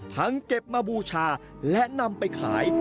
เก็บมาบูชาและนำไปขาย